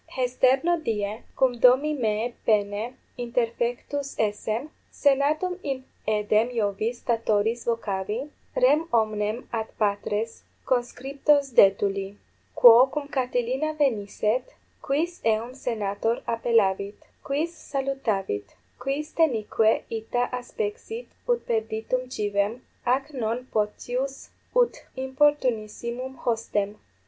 Hesterno die, cum domi meae paene interfectus essem, senatum in aedem Iovis Statoris vocavi, rem omnem ad patres conscriptos detuli: quo cum Catilina venisset, quis eum senator appellavit? quis salutavit? quis denique ita aspexit ut perditum civem, ac non potius ut importunissimum hostem?